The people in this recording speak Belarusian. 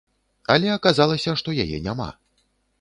Але аказалася, што яе няма.